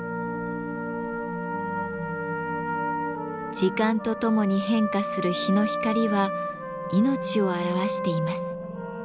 時間とともに変化する日の光は命を表しています。